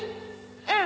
うん！